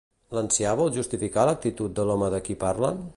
L'ancià vol justificar l'actitud de l'home de qui parlen?